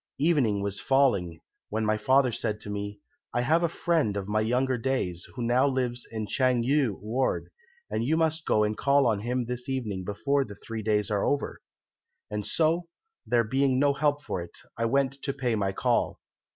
Evening was falling, when my father said to me, 'I have a friend of my younger days, who now lives in Chang eui ward, and you must go and call on him this evening before the three days are over,' and so, there being no help for it, I went to pay my call.